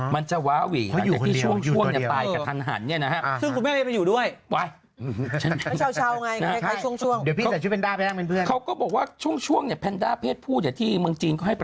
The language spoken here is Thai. มันจะว้าเว่แต่ที่ช่วงช่วงตายกับทันหันฮะ